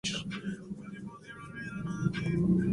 Por el contrario, los lados este y oeste eran más anchos.